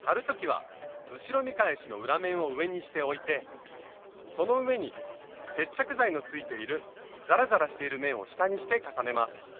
貼る時は後ろ見返しの裏面を上にして置いてその上に接着剤のついているざらざらしている面を下にして重ねます。